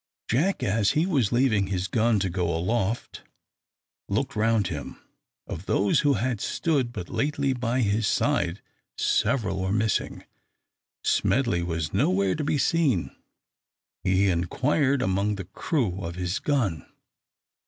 Jack as he was leaving his gun to go aloft, looked round him. Of those who had stood but lately by his side, several were missing. Smedley was nowhere to be seen. He inquired among the crew of his gun.